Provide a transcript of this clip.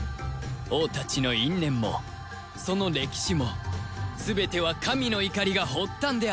王たちの因縁もその歴史も全ては神の怒りが発端であった